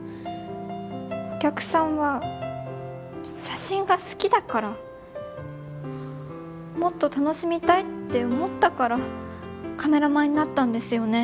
お客さんは写真が好きだからもっと楽しみたいって思ったからカメラマンになったんですよね？